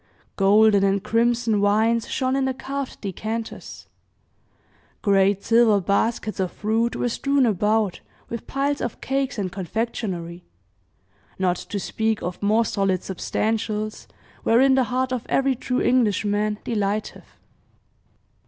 Golden and crimson wines shone in the carved decanters; great silver baskets of fruit were strewn about, with piles of cakes and confectionery not to speak of more solid substantials, wherein the heart of every true Englishman delighteth.